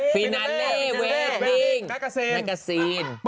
ไฟนาลีเวรติ้งแมกกาซีนโอเค